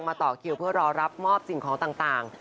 ต่อคิวเพื่อรอรับมอบสิ่งของต่าง